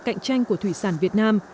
cạnh tranh của thủy sản việt nam